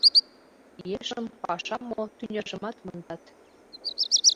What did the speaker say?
Ешым, пашам мо — тӱняжымат мондат.